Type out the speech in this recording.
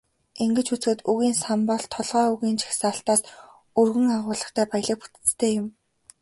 Ингэж үзэхэд, үгийн сан бол толгой үгийн жагсаалтаас өргөн агуулгатай, баялаг бүтэцтэй юм.